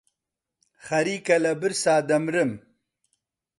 خەریکە لە برسا دەمرم.